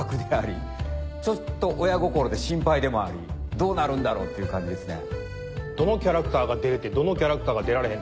どうなるんだろう？っていう感じですね。